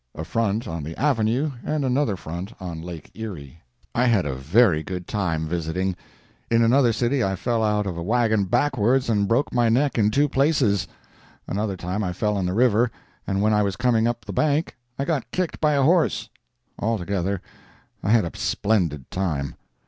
—a front on the avenue and another front on Lake Erie. I had a very good time, visiting. In another city I fell out of a wagon backwards and broke my neck in two places. Another time I fell in the river, and when I was coming up the bank I got kicked by a horse. Altogether I had a splendid time.